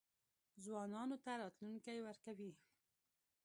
ځوانانو ته راتلونکی ورکوي.